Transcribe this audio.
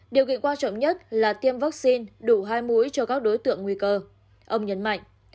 điều gy quan trọng nhất là tiêm vaccine đủ hai mũi cho các đối tượng nguy cơ ông nhấn mạnh